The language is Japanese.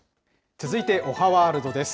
続いておはワールドです。